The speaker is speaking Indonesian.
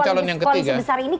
calon yang ketiga